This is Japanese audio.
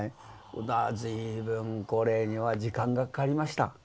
だから随分これには時間がかかりました。